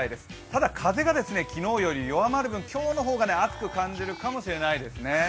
ただ、風が昨日よりも弱まる分今日の方が暑く感じるかもしれないですね。